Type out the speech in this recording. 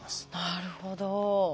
なるほど。